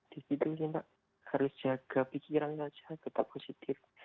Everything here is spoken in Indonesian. di situ kita harus jaga pikiran saja tetap positif